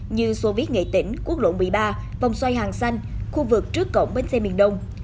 như soviet nghệ tỉnh quốc lộ một mươi ba vòng xoay hàng xanh khu vực trước cổng bến xe miền đông